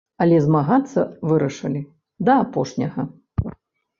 Але змагацца вырашылі да апошняга.